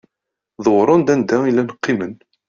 Dewren-d anda i llan qqimen.